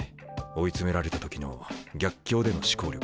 追い詰められた時の逆境での思考力